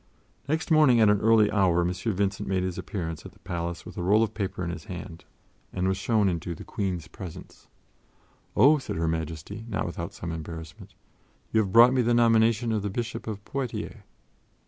Next morning at an early hour M. Vincent made his appearance at the palace with a roll of paper in his hand and was shown into the Queen's presence. "Oh," said Her Majesty, not without some embarrassment, "you have brought me the nomination of the Bishop of Poitiers."